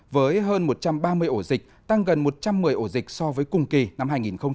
với hơn một trăm ba mươi ổ dịch tăng gần một trăm một mươi ổ dịch so với cùng kỳ năm hai nghìn một mươi chín